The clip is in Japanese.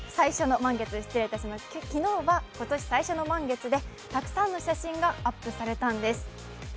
昨日は今年最初の満月で、たくさんの写真がアップされたんです。